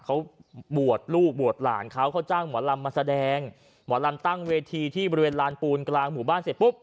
เขาบวชลูกบวชหลานเขาเขาจ้างหมอลำมาแสดงหมอลำตั้งเวทีที่บริเวณลานปูนกลางหมู่บ้านเสร็จปุ๊บ